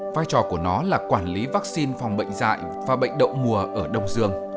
vai trò của nó là quản lý vaccine phòng bệnh dạy và bệnh đậu mùa ở đông dương